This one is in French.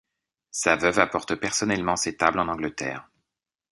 Sa veuve apporte personnellement ces tables en Angleterre.